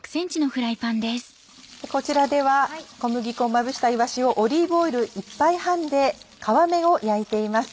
こちらでは小麦粉をまぶしたいわしをオリーブオイル１杯半で皮目を焼いています。